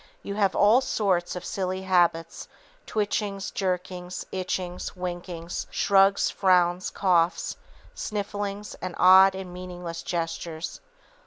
You have all sorts of silly habits, twitchings, jerkings, itchings, winkings, shrugs, frowns, coughs, snifflings and odd and meaningless gestures.